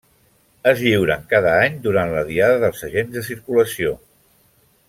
Es lliuren cada any durant la Diada dels Agents de Circulació.